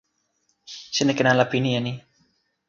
sina ken ala pini e ni.